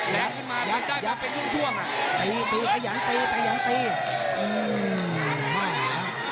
ถึงเขาหลายมานี่ฝรั่งหนึ่งช่วง